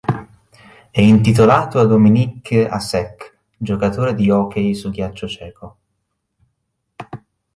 È intitolato a Dominik Hašek, giocatore di hockey su ghiaccio ceco.